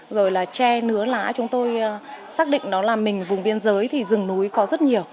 rồi là tre nứa lá chúng tôi xác định nó là mình vùng biên giới thì rừng núi có rất nhiều